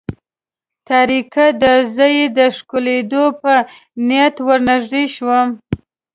تاریکه وه، زه یې د ښکلېدو په نیت ور نږدې شوم.